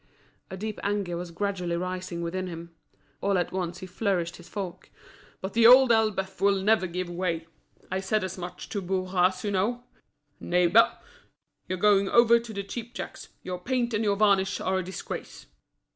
A deep anger was gradually rising within him. All at once he flourished his fork. "But The Old Elbeuf will never give way! I said as much to Bourras, you know, 'Neighbour, you're going over to the cheapjacks; your paint and your varnish are a disgrace.'"